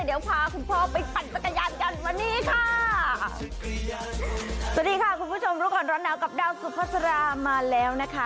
เดี๋ยวพาคุณพ่อไปปั่นจักรยานกันวันนี้ค่ะสวัสดีค่ะคุณผู้ชมรู้ก่อนร้อนหนาวกับดาวสุภาษามาแล้วนะคะ